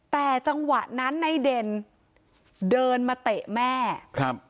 แต่จังหวะนั้นในเด่นเดินมาเตะแม่ครับ